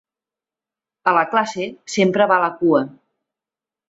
A la classe sempre va a la cua.